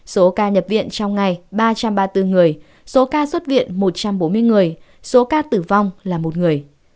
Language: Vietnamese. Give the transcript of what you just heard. số ca nhập viện trong ngày ba trăm ba mươi bốn người số ca xuất viện một trăm bốn mươi người số ca tử vong là một người